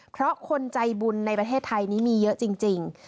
เพราะคนใจบุญในประเทศไทยนี้มีเยอะจริง